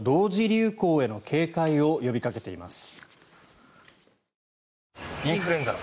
流行への警戒を呼びかけています。